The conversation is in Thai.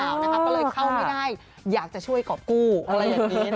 ก็เลยเข้าไม่ได้อยากจะช่วยกรอบกู้อะไรอย่างนี้